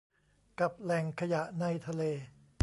กับแหล่งขยะในทะเล